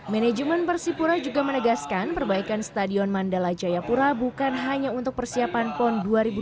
manajemen persipura juga menegaskan perbaikan stadion mandala jayapura bukan hanya untuk persiapan pon dua ribu dua puluh